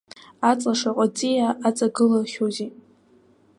Аҵла шаҟа ҵиаа аҵагылахьоузеи.